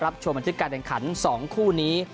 ชมบันทึกการแข่งขัน๒คู่นี้